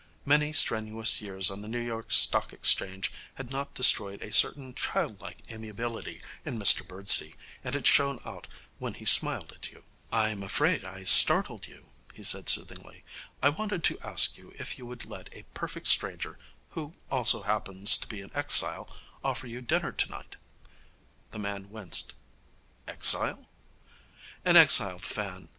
Many strenuous years on the New York Stock Exchange had not destroyed a certain childlike amiability in Mr Birdsey, and it shone out when he smiled at you. 'I'm afraid I startled you,' he said soothingly. 'I wanted to ask you if you would let a perfect stranger, who also happens to be an exile, offer you dinner tonight.' The man winced. 'Exile?' 'An exiled fan.